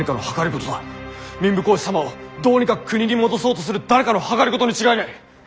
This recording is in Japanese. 民部公子様をどうにか国に戻そうとする誰かの謀に違いない。